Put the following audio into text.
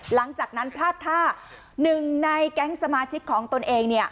หลังจากนั้นพลาดท่าหนึ่งในแก๊งสมาชิกของตนเอง